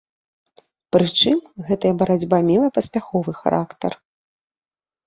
Прычым, гэтая барацьба мела паспяховы характар.